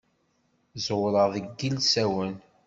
Ẓewreɣ deg yilsawen.